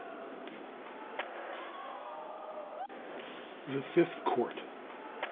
THE FIFTH COURT.